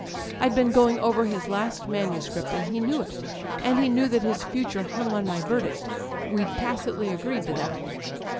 I'd been going over his last manuscript, and he knew it, and he knew that his future hung on my verdict â€" we'd tacitly agreed to that.